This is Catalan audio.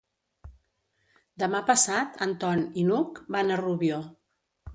Demà passat en Ton i n'Hug van a Rubió.